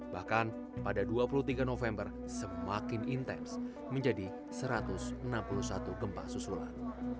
bahkan pada dua puluh tiga november semakin intens menjadi satu ratus enam puluh satu gempa susulan